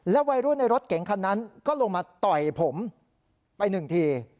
วัยรุ่นในรถเก๋งคันนั้นก็ลงมาต่อยผมไปหนึ่งที